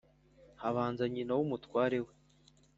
habanza nyina w úmutware wé